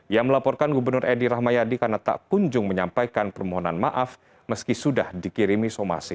ia melaporkan gubernur edi rahmayadi karena tak kunjung menyampaikan permohonan maaf meski sudah dikirimi somasi